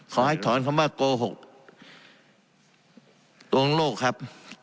ขอให้ถอนคำว่าโกหกตวงโลกครับ